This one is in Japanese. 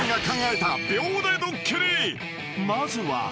［まずは］